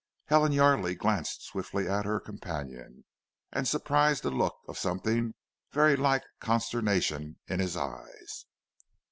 Helen Yardely glanced swiftly at her companion, and surprised a look of something very like consternation in his eyes.